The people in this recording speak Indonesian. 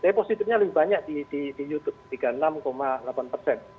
tapi positifnya lebih banyak di youtube